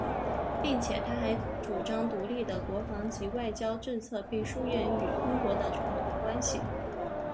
并且他还主张独立的国防及外交政策并疏远与英国的传统关系。